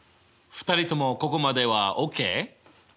２人ともここまではＯＫ？ＯＫ！